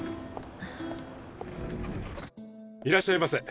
いらっしゃいませ。